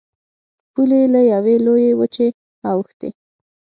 پولې یې له یوې لویې وچې اوښتې.